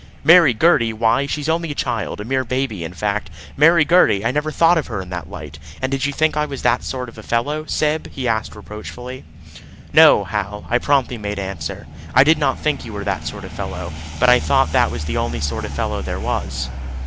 "Marry Gertie! Why, she's only a child! A mere baby, in fact. Marry Gertie! I never thought of her in that light; and did you think I was that sort of a fellow, Syb?" he asked reproachfully. "No, Hal," I promptly made answer. "I did not think you were that sort of fellow; but I thought that was the only sort of fellow there was."